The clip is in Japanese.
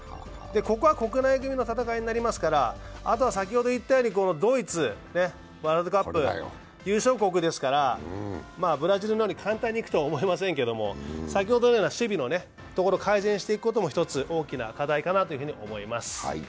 ここは国内組での戦いになりますからあとはドイツ、ワールドカップ優勝国ですからブラジルのように簡単にいくとは思いませんが先ほどのような守備のところを改善していくことも大きな課題かなと思います。